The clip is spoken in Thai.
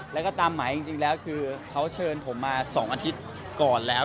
แล้วก็ตามหมายจริงแล้วคือเขาเชิญผมมา๒อาทิตย์ก่อนแล้ว